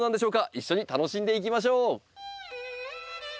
一緒に楽しんでいきましょう！